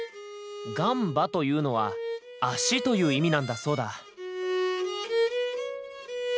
「ガンバ」というのは「脚」という意味なんだそうだ。